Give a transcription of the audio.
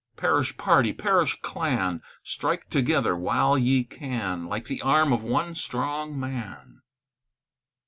Perish party, perish clan; Strike together while ye can, Like the arm of one strong man.